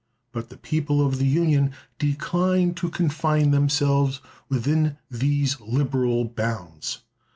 But the people of the Union decline to confine themselves within these liberal bounds.